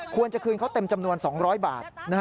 ควรจะคืนเขาเต็มจำนวน๒๐๐บาท